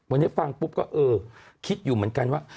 วันนี้ฟังปุ๊บก็เออคิดอยู่เหมือนกันว่า